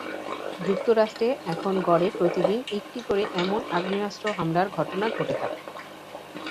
যুক্তরাষ্ট্রে এখন গড়ে প্রতিদিন একটি করে এমন আগ্নেয়াস্ত্রের হামলার ঘটনা ঘটে থাকে।